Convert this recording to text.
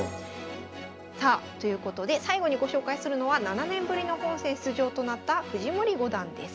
さあということで最後にご紹介するのは７年ぶりの本戦出場となった藤森五段です。